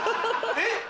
えっ！